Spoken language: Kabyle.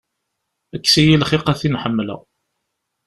Kkes-iyi lxiq a tin ḥemmleɣ.